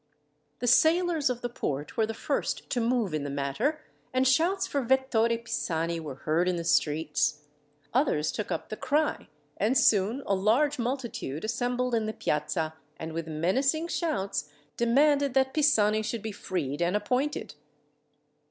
The sailors of the port were the first to move in the matter, and shouts for Vettore Pisani were heard in the streets. Others took up the cry, and soon a large multitude assembled in the Piazza, and with menacing shouts, demanded that Pisani should be freed and appointed.